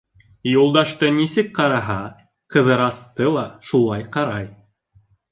Юлдашты нисек ҡараһа, Ҡыҙырасты ла шулай ҡарай.